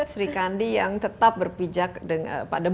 sri kandi yang tetap berpijak pada